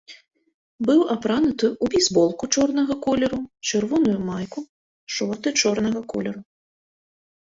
Быў апрануты ў бейсболку чорнага колеру, чырвоную майку, шорты чорнага колеру.